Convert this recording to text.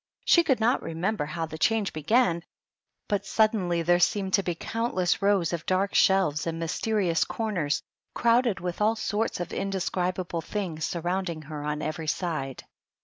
She could not remember how the change began, but sud denly there seemed to be countless rows of dark shelves and mysterious corners crowded with all 34 THE DUCHESS AND HER HOV8E. sorts of indescribable things surrounding her on every side.